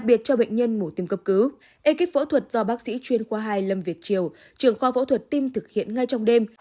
biệt cho bệnh nhân mổ tiêm cấp cứu ekip phẫu thuật do bác sĩ chuyên khoa hai lâm việt triều trường khoa phẫu thuật tim thực hiện ngay trong đêm